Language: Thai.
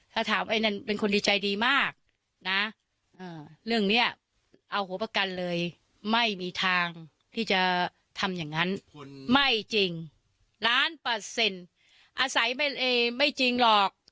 ถ้าถามไอ้นั่นเป็นคนดีใจดีมากนะเรื่องนี้เอาหัวประกันเลยไม่มีทางที่จะทำอย่างนั้นไม่จริงล้านเปอร์เซ็นต์อาศัยไม่จริงหรอก